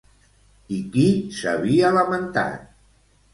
I qui s'havia lamentat?